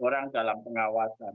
orang dalam pengawasan